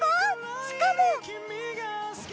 しかも。